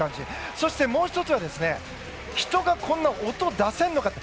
そして、もう１つは人がこんな音を出せるのかと。